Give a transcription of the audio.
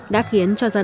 đã khiến cho dân hạng